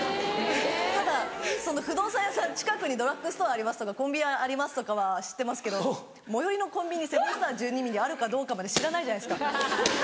ただその不動産屋さん「近くにドラッグストアあります」とか「コンビニあります」とかは知ってますけど最寄りのコンビニにセブンスター１２ミリあるかどうかまで知らないじゃないですか。